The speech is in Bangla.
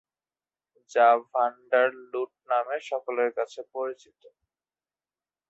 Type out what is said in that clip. যা ভাণ্ডার লুট নামে সকলের কাছে পরিচিত।